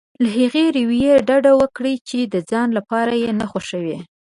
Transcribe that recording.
له هغې رويې ډډه وکړي چې د ځان لپاره نه خوښوي.